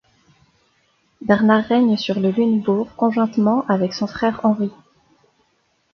Bernard règne sur le Lunebourg conjointement avec son frère Henri.